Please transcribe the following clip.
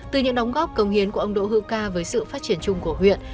từ những đóng góp công hiến của ông đỗ hữu ca với sự phát triển chung của huyện